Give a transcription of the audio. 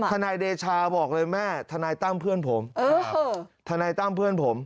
ทนายเดชาบอกเลยแม่ทนายตั้มเพื่อนผมทนายตั้มเพื่อนผม